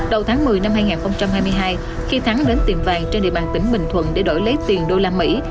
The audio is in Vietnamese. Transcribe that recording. đầu tháng một mươi năm hai nghìn hai mươi hai khi thắng đến tiệm vàng trên địa bàn tỉnh bình thuận để đổi lấy tiền đô la mỹ